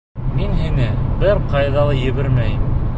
Мин һине бер ҡайҙа ла ебәрмәйем.